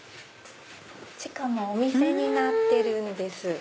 地下もお店になってるんです。